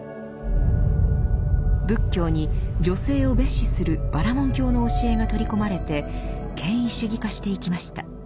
仏教に女性を蔑視するバラモン教の教えが取り込まれて権威主義化していきました。